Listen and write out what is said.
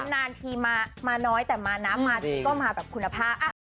นานทีมาน้อยแต่มานะมาทีก็มาแบบคุณภาพ